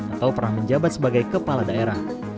atau pernah menjabat sebagai kepala daerah